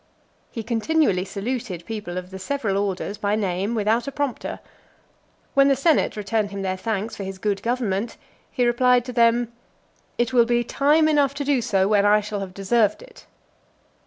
He continually saluted people of the several orders by name, without a prompter. When the senate returned him their thanks for his good government, he replied to them, "It will be time enough to do so when I shall have deserved it."